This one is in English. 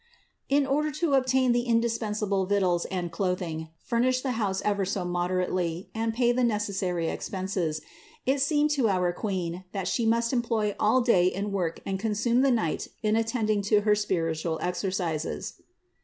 657. In order to obtain the indispensable victuals and clothing, furnish the house ever so moderately, and pay the necessary expenses, it seemed to our Queen that She must employ all day in work and consume the night in attending to her spiritual exercises.